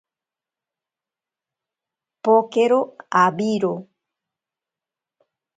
Pokero awiro.